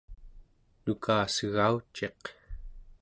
nukasegauciq